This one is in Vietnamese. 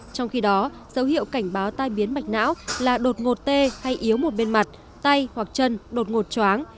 trong khi đó dấu hiệu cảnh báo tai biến mạch não là đột ngột tê hay yếu một bên mặt tay hoặc chân đột ngột choáng